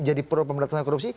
jadi pro pemerintah korupsi